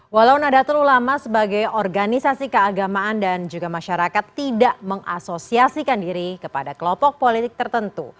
walau nadatul ulama sebagai organisasi keagamaan dan juga masyarakat tidak mengasosiasikan diri kepada kelompok politik tertentu